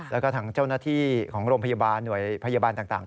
แล้วก็ทางเจ้าหน้าที่ของโรงพยาบาลหน่วยพยาบาลต่าง